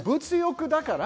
物欲だから。